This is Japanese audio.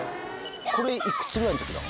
これいくつぐらいの時なの？